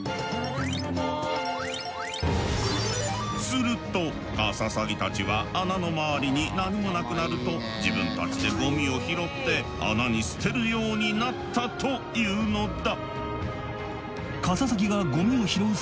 するとカササギたちは穴の周りに何もなくなると自分たちでゴミを拾って穴に捨てるようになったというのだ。